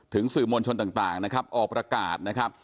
สื่อมวลชนต่างนะครับออกประกาศนะครับ